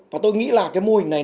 và tôi nghĩ là cái mô hình này